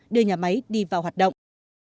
đưa nhà máy đi vào hoạt động